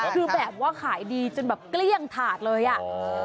คือแบบว่าขายดีจนแบบเกลี้ยงถาดเลยอ่ะ